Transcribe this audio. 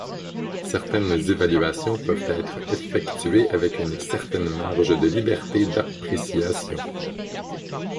Certaines évaluations peuvent être effectuées avec une certaine marge de liberté d'appréciation.